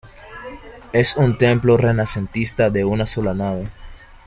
Es un templo renacentista de una sola nave.